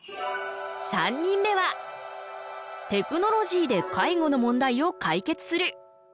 ３人目はテクノロジーで介護の問題を解決する。